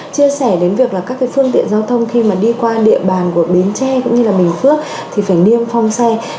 chia sẻ đến việc các phương tiện giao thông khi đi qua địa bàn của bến tre cũng như là bình phước thì phải niêm phong xe